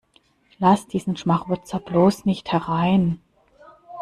Lass diesen Schmarotzer bloß nicht herein!